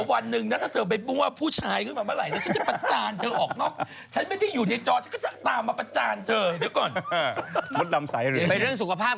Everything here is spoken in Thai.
ก็จะแบบมีอนของชำรวยอยู่น่ะแบบมีอ๋อต่างป่าวเหรอ